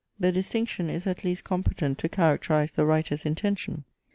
The distinction is at least competent to characterize the writer's intention.